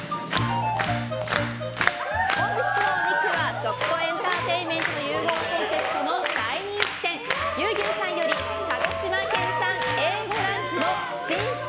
本日のお肉は、食とエンターテインメントの融合がコンセプトの大人気店牛牛さんより鹿児島県産Ａ５ランクの芯々